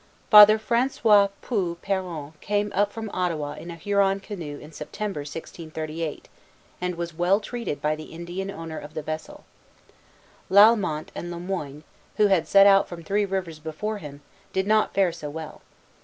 Father François Du Peron came up the Ottawa in a Huron canoe in September, 1638, and was well treated by the Indian owner of the vessel. Lalemant and Le Moyne, who had set out from Three Rivers before him, did not fare so well.